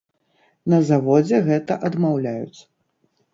На заводзе гэта адмаўляюць.